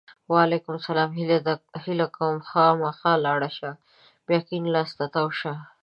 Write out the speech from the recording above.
وعلیکم سلام! هیله کوم! مخامخ لاړ شه! بیا کیڼ لاس ته تاو شه!